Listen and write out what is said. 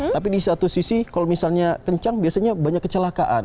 tapi di satu sisi kalau misalnya kencang biasanya banyak kecelakaan